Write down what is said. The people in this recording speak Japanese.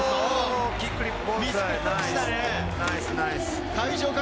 キックフリップ。